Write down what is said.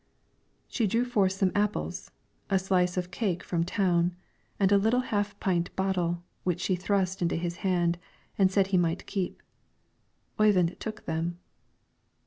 She drew forth some apples, a slice of a cake from town, and a little half pint bottle, which she thrust into his hand, and said he might keep. Oyvind took them.